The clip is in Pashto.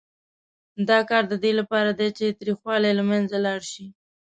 دا کار د دې لپاره دی چې تریخوالی یې له منځه لاړ شي.